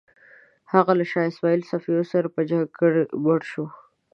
هغه له شاه اسماعیل صفوي سره په جنګ کې مړ شو.